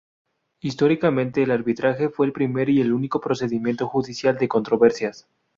Históricamente, el arbitraje fue el primer y el único procedimiento judicial de controversias.